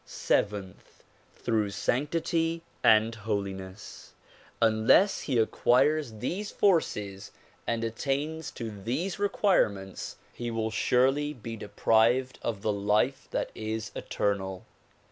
Seventh, through sanctity and holiness. Unless he acquires these forces and attains to these requirements he will surely be deprived of the life that is eternal.